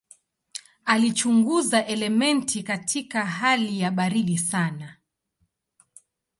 Alichunguza elementi katika hali ya baridi sana.